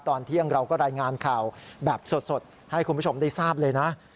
ตอนเที่ยงเราก็รายงานข่าวแบบสดให้คุณผู้ชมได้ทราบเลยนะ